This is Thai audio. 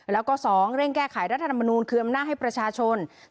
แล้วก็๒เร่งแก้ไขรัฐธรรมนูลคืนอำนาจให้ประชาชน